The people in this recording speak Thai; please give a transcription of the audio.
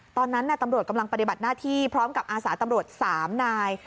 ตอนนั้นตำรวจกำลังปฏิบัติหน้าที่พร้อมกับอาสาตำรวจ๓นาย